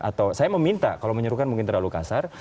atau saya meminta kalau menyerukan mungkin terlalu kasar